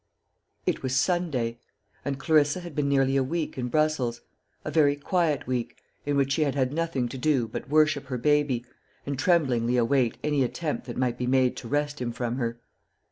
It was Sunday; and Clarissa had been nearly a week in Brussels a very quiet week, in which she had had nothing to do but worship her baby, and tremblingly await any attempt that might be made to wrest him from her.